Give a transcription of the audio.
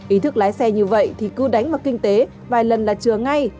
ý thức lái xe như vậy thì cứ đánh vào kinh tế vài lần là chừa ngay